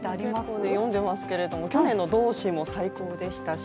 結構詠んでますけど去年の「同志」も最高でしたし